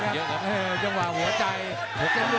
ตายเยอะคือป่ะมันสร้างหละเลือดมันออกเยอะแหละครับ